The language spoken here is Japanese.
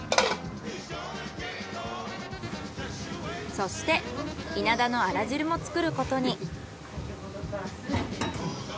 そしてイナダのあら汁も作ることに。